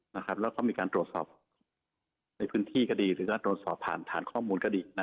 แล้วก็มีการตรวจสอบในพื้นที่ก็ดีหรือการตรวจสอบผ่านฐานข้อมูลก็ดี